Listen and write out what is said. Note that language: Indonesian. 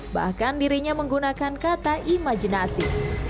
bahkan dirinya menggunakan kata imajinasi